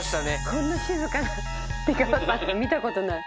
・こんな静かな出川さん見たことない。